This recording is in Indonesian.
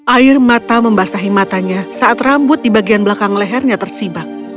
air mata membasahi matanya saat rambut di bagian belakang lehernya tersibak